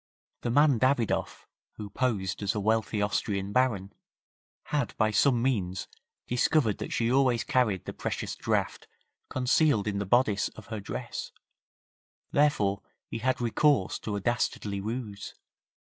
The man Davidoff, who posed as a wealthy Austrian Baron, had by some means discovered that she always carried the precious draft concealed in the bodice of her dress, therefore he had recourse to a dastardly ruse.